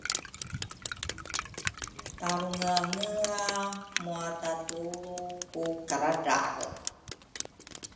tarungeangea muatatulru ku karadrare.